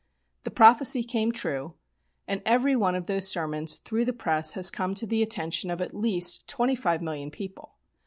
The prophecy came true, and every one of those sermons through the press has come to the attention of at least twenty five million people.